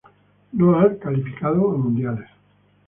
No ha calificado a mundiales.